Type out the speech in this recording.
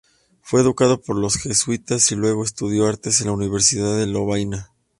Fue educado por los jesuitas, y luego estudió Artes en la Universidad de Lovaina.